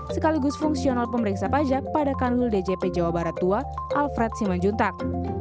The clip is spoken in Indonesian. sekaligus fungsional pemeriksa pajak pada kanul djp jawa barat ii alfred siman juntak